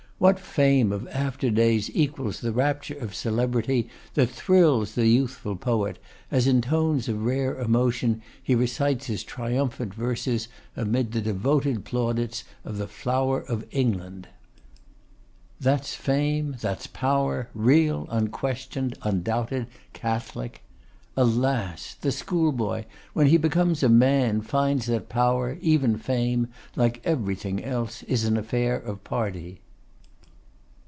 What fame of after days equals the rapture of celebrity that thrills the youthful poet, as in tones of rare emotion he recites his triumphant verses amid the devoted plaudits of the flower of England? That's fame, that's power; real, unquestioned, undoubted, catholic. Alas! the schoolboy, when he becomes a man, finds that power, even fame, like everything else, is an affair of party.